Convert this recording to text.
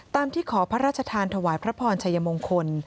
ที่ขอพระราชทานถวายพระพรชัยมงคล